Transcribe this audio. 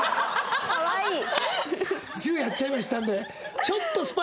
「１０やっちゃいましたんで」。